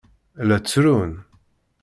La ttrun.